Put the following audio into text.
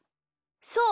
そう。